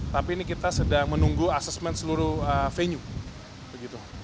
tapi ini kita sedang menunggu asesmen seluruh venue